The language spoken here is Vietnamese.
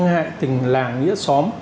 ngại tình làng nghĩa xóm